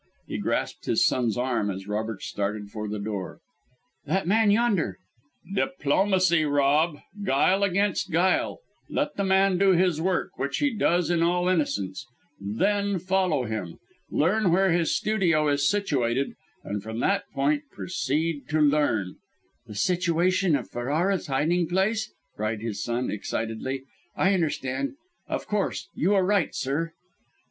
He grasped his son's arm as Robert started for the door. "That man yonder " "Diplomacy, Rob! Guile against guile. Let the man do his work, which he does in all innocence; then follow him. Learn where his studio is situated, and, from that point, proceed to learn " "The situation of Ferrara's hiding place?" cried his son, excitedly. "I understand! Of course; you are right, sir."